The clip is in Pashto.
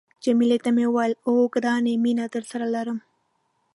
جميله ته مې وویل، اوه، ګرانې مینه درسره لرم.